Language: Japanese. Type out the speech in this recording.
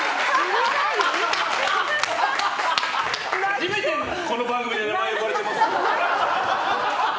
初めて、この番組で名前、呼ばれましたよ。